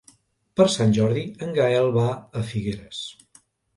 Per Sant Jordi en Gaël va a Figueres.